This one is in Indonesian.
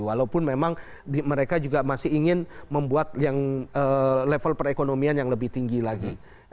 walaupun memang mereka juga masih ingin membuat yang level perekonomian yang lebih tinggi lagi